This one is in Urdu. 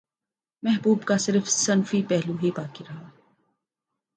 محبوب کا صرف صنفی پہلو باقی رہا